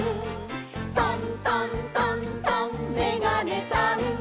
「トントントントンめがねさん」